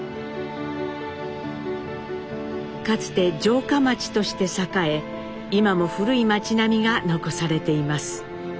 かつて城下町として栄え今も古い町並みが残されています。